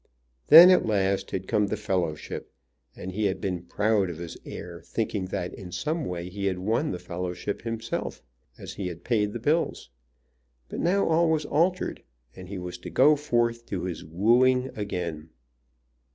Then at last had come the fellowship, and he had been proud of his heir, thinking that in some way he had won the fellowship himself, as he had paid the bills. But now all was altered, and he was to go forth to his wooing again.